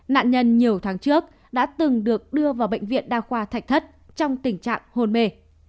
nạn nhân nhiều tháng trước đã từng được đưa vào bệnh viện đa khoa thạch thất trong tình trạng hôn mê